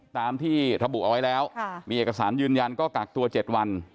ตามที่ระบุเอาไว้แล้วมีเอกสารยืนยันก็กักตัว๗วัน